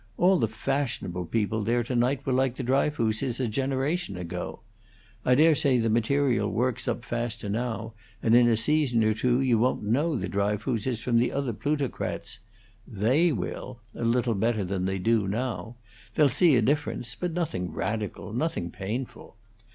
All the fashionable people there to night were like the Dryfooses a generation or two ago. I dare say the material works up faster now, and in a season or two you won't know the Dryfooses from the other plutocrats. THEY will a little better than they do now; they'll see a difference, but nothing radical, nothing painful.